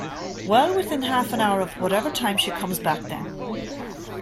Well, within half an hour of whatever time she comes back, then.